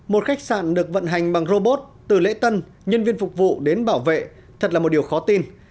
một khách sạn được vận hành bằng robot từ lễ tân nhân viên phục vụ đến bảo vệ thật là một điều khó tin